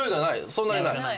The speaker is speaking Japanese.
そんなにない？